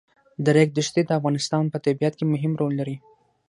د ریګ دښتې د افغانستان په طبیعت کې مهم رول لري.